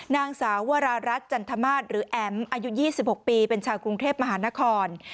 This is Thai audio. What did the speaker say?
นางสาววรารัฐจันทมาสหรือแอ๋มอายุ๒๖ปีเป็นชาวกรุงเทพมหานคร